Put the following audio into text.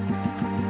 lo sudah nunggu